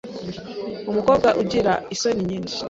Umukobwa ugira isoni nyinshi